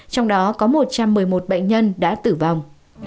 trong đó có một trăm một mươi một bệnh nhân đã tử vong